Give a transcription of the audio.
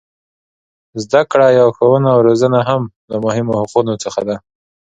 زده کړه یا ښوونه او روزنه هم له مهمو حقونو څخه ده.